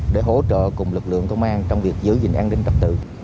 để hỗ trợ cùng lực lượng công an trong việc giữ gìn an ninh trật tự